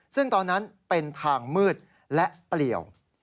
ซึ่งตอนนั้นเป็นทางมืดและเปลี่ยว